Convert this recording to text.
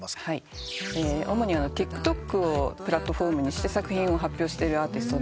主にＴｉｋＴｏｋをプラットホームにして作品を発表してるアーティストで。